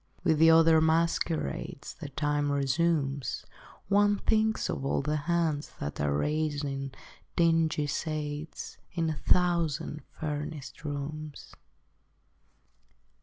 With the other masquerades That time resumes, One thinks of all the hands That are raising dingy shades In a thousand furnished rooms.